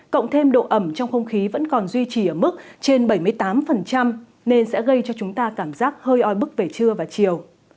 cộng thêm độ ẩm trong không khí vẫn còn duy trì ở mức trên bảy mươi tám nên sẽ gây cho chúng ta cảm giác hơi oi bức về trưa và chiều